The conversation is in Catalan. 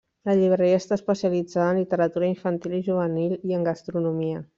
La llibreria està especialitzada en literatura infantil i juvenil i en gastronomia.